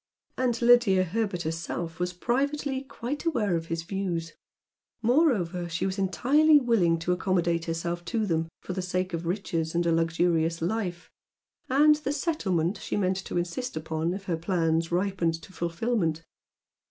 And Lydia Herbert herself was privately quite aware of his views. Moreover she was entirely willing to accommodate herself to them for the sake of riches and a luxurious life, and the "settlement" she meant to insist upon if her plans ripened to fulfilment.